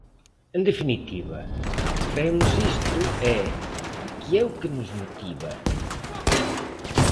En definitiva, traemos isto e ¿que é o que nos motiva?